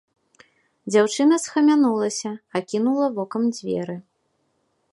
Дзяўчына схамянулася, акінула вокам дзверы.